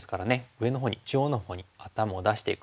上のほうに中央のほうに頭を出していく。